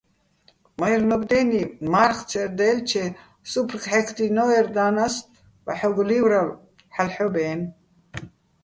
მაჲრნობ დე́ნი, მა́რხო̆ ცე́რ დაჲლ'ჩე სუფრ ქჵექდინო́ერ ნა́ნას, ვაჰ̦ოგო̆ ლი́ვრალო̆, ჰ̦ალო̆ ჰ̦ობ-აჲნო̆.